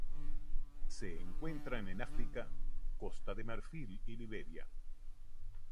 Se encuentran en África: Costa de Marfil y Liberia.